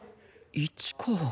市川。